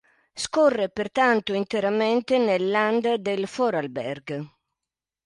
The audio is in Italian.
Scorre pertanto interamente nel Land del Vorarlberg.